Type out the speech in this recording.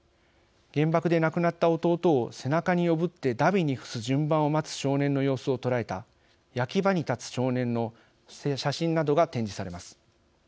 原爆で亡くなった弟を背中におぶってだびに付す順番を待つ少年の様子を捉えた「焼き場に立つ少年」の写真などが展示されます。